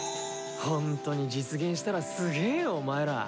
ほんとに実現したらすげーよお前ら。